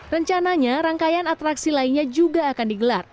rencananya rangkaian atraksi lainnya juga akan digelar